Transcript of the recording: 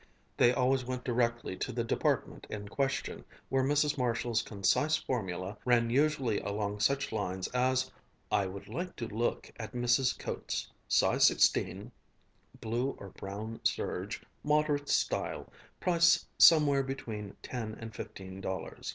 They always went directly to the department in question, where Mrs. Marshall's concise formula ran usually along such lines as, "I would like to look at misses' coats, size 16, blue or brown serge, moderate style, price somewhere between ten and fifteen dollars."